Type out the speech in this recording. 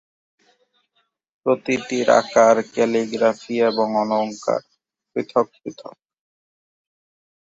প্রতিটির আকার, ক্যালিগ্রাফি এবং অলঙ্কার পৃথক পৃথক।